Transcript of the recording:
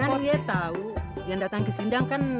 kan iya tau yang datang ke sindang kan